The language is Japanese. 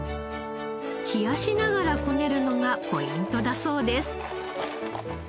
冷やしながらこねるのがポイントだそうです。